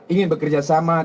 ingin bekerjasama dengan